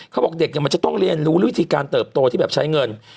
เขาบอกเด็กมันจะต้องเรียนรู้วิธีการเติบโตที่แบบใช้เงิน